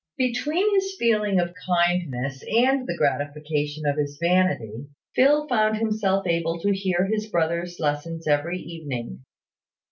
Between his feeling of kindness and the gratification of his vanity, Phil found himself able to hear his brother's lessons every evening.